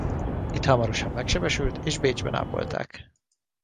Itt hamarosan megsebesült és Bécsben ápolták.